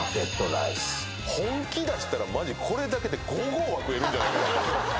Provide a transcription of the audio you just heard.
本気出したらマジでこれだけで５合は食えるんじゃない？